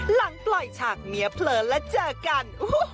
หลังปล่อยฉากเมียเผลินและเจอกัน